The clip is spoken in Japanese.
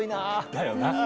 だよな。